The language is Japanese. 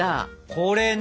これね。